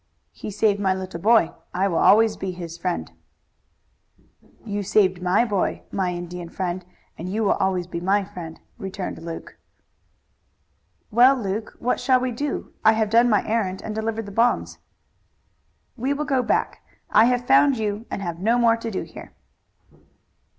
"He save my little boy; I will always be his friend." "You have saved my boy, my Indian friend, and you will always be my friend," returned Luke. "Well, Luke, what shall we do? I have done my errand and delivered the bonds." "We will go back. I have found you and have no more to do here."